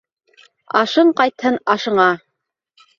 Ашың ҡайтһын ашыңа